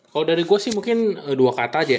kalau dari gue sih mungkin dua kata aja